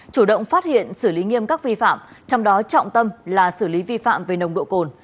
chủ động phát hiện xử lý nghiêm các vi phạm trong đó trọng tâm là xử lý vi phạm về nồng độ cồn